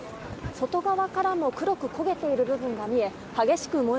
外側からも黒く焦げている部分が見え